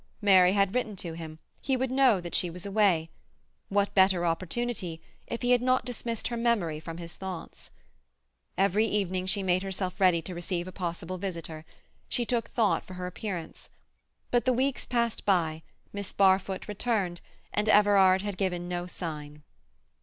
Mary had written to him; he would know that she was away. What better opportunity, if he had not dismissed her memory from his thoughts? Every evening she made herself ready to receive a possible visitor. She took thought for her appearance. But the weeks passed by, Miss Barfoot returned, and Everard had given no sign.